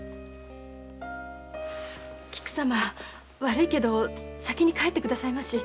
菊様悪いけど先に帰ってくださいまし。